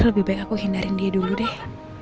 lebih baik aku hindari dia dulu deh